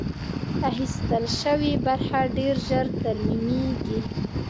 اخیستل شوې برخه ډېر ژر ترمیمېږي.